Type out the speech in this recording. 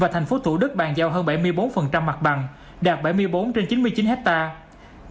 và thành phố thủ đức bàn giao hơn bảy mươi bốn mặt bằng đạt bảy mươi bốn trên chín mươi chín hectare